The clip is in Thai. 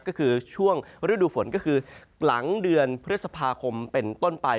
ก็คือช่วงฤดูฝนก็คือหลังเดือนพฤษภาคมเป็นต้นไป